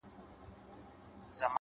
• حسن خو زر نه دى چي څوك يې پـټ كــړي ـ